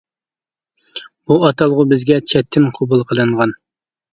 بۇ ئاتالغۇ بىزگە چەتتىن قوبۇل قىلىنغان.